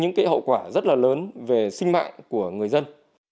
những cái hậu quả rất là lớn về sinh mạng của người dân